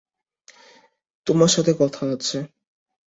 তোমার সাথে কথা আছে।